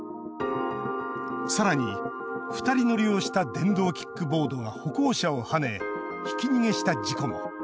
更に２人乗りをした電動キックボードが歩行者をはねひき逃げした事故も。